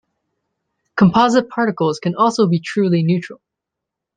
Composite particles can also be truly neutral.